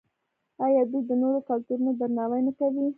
آیا دوی د نورو کلتورونو درناوی نه کوي؟